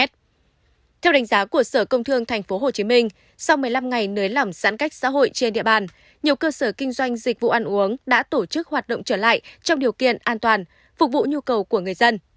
theo đánh giá của sở công thương tp hcm sau một mươi năm ngày nới lỏng giãn cách xã hội trên địa bàn nhiều cơ sở kinh doanh dịch vụ ăn uống đã tổ chức hoạt động trở lại trong điều kiện an toàn phục vụ nhu cầu của người dân